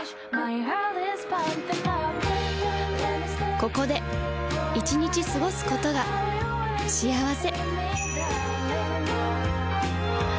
ここで１日過ごすことが幸せ